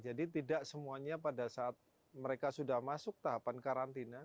jadi tidak semuanya pada saat mereka sudah masuk tahapan karantina